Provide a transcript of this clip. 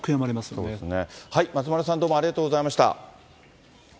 そうですね、松丸さん、どうもありがとうございました。